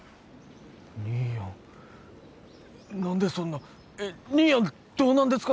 兄やん何でそんな兄やんどうなんですか？